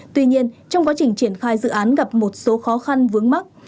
tuy nhiên trong quá trình triển khai dự án gặp một số khó khăn vướng mắt